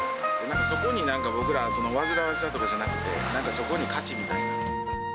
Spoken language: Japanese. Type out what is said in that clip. なんかそこに僕ら、わずらわしさとかじゃなくて、なんかそこに価値みたいな。